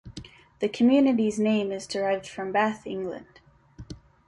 The community's name is derived from Bath, England.